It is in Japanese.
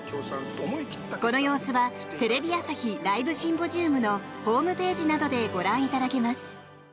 この様子は、テレビ朝日ＬＩＶＥシンポジウムのホームページなどでご覧いただけます。